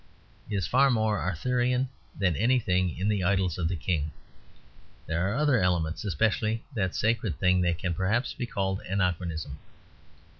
is far more Arthurian than anything in The Idylls of the King. There are other elements; especially that sacred thing that can perhaps be called Anachronism.